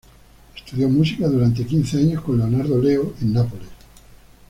Estudió música durante quince años con Leonardo Leo en Nápoles.